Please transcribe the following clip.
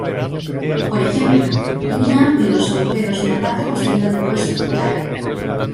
Por ejemplo, tenía amplios agujeros en la parte posterior del hueso frontal.